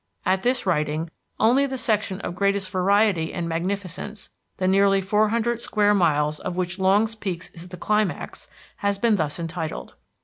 At this writing only the section of greatest variety and magnificence, the nearly four hundred square miles of which Longs Peak is the climax, has been thus entitled.